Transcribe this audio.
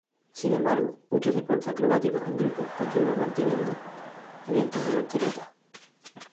Sin embargo, Muchos deportes acrobáticos en grupos continúan manteniendo eventos de volteretas.